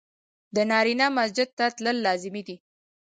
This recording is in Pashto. د نارينه مسجد ته تلل لازمي دي.